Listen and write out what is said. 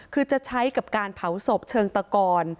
คือจะใช้กับการเผาศพเชิงตะกอน